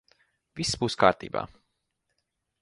Viss būs kārtībā.